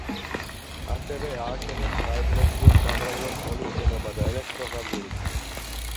ასევე ააშენეს საეკლესიო-სამრევლო სკოლის შენობა და ელექტროსადგური.